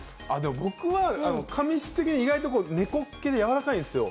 僕は髪質的に猫っ毛でやわらかいんですよ。